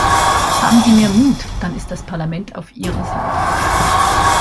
Haben Sie mehr Mut, dann ist das Parlament auf Ihrer Seite.